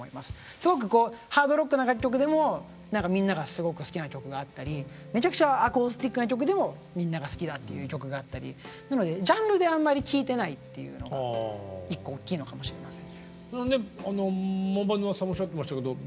すごくこうハードロックな楽曲でもみんながすごく好きな曲があったりめちゃくちゃアコースティックな曲でもみんなが好きだっていう曲があったり１個大きいのかもしれません。